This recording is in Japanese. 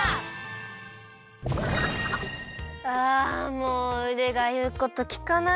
あもううでがいうこときかない！